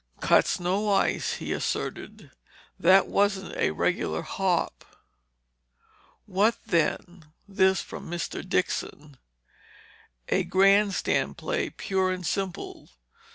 "Cuts no ice," he asserted. "That wasn't a regular hop." "What then?" This from Mr. Dixon. "A grandstand play, pure and simple.